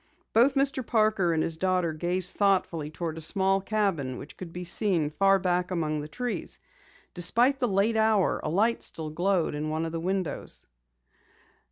Both Mr. Parker and his daughter gazed thoughtfully toward a small cabin which could be seen far back among the trees. Despite the late hour, a light still glowed in one of the windows.